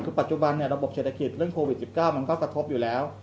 คือปัจจุบันระบบเศรษฐกิจเรื่องโควิด๑๙มันก็กระทบอยู่แล้ว